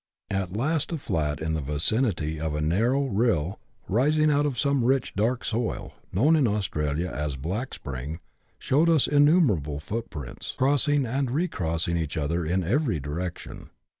At last a flat in the vicinity of a narrow rill, rising out of some rich dark soil, known in Australia as a " black spring," showed us innumerable footprints, cPossing and recrossing each other in every direction.